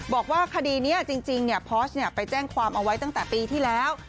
บอกว่าคดีนี้จริงพอสไปแจ้งความเอาไว้ตั้งแต่ปีที่แล้ว